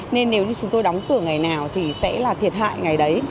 nên nếu như chúng tôi đóng cửa ngày nào thì sẽ là thiệt hại ngày đấy